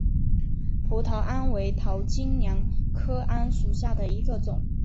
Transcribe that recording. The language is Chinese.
葡萄桉为桃金娘科桉属下的一个种。